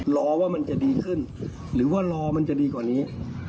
รอว่ามันจะดีขึ้นหรือว่ารอมันจะดีกว่านี้